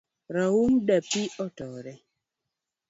Raum dapii otore